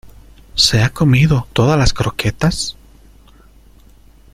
¿ se ha comido todas las croquetas?